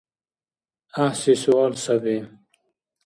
ГӀяхӀси суал саби.